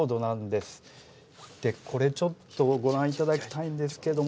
これちょっとご覧頂きたいんですけれども。